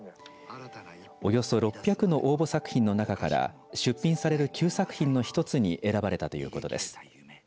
およそ６００の応募作品の中から出品される９作品の１つに選ばれたということです。